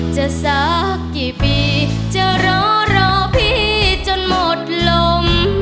สักกี่ปีจะรอรอพี่จนหมดลม